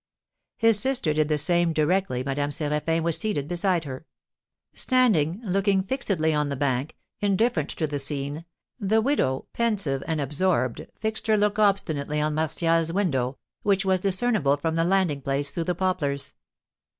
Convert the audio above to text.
His sister did the same directly Madame Séraphin was seated beside her. Standing, looking fixedly on the bank, indifferent to the scene, the widow, pensive and absorbed, fixed her look obstinately on Martial's window, which was discernible from the landing place through the poplars.